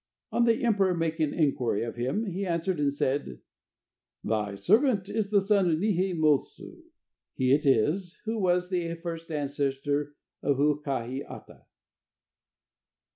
On the emperor making inquiry of him, he answered and said: "Thy servant is the son of Nihe molsu." He it is who was the first ancestor of the U kahi of Ata.